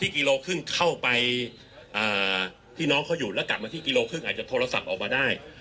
กิโลครึ่งเข้าไปพี่น้องเขาอยู่แล้วกลับมาที่กิโลครึ่งอาจจะโทรศัพท์ออกมาได้